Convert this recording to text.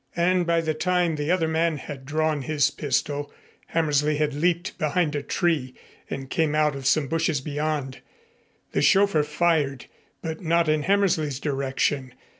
And by the time the other man had drawn his pistol, Hammersley had leaped behind a tree and came out of some bushes beyond. The chauffeur fired, but not in Hammersley's direction.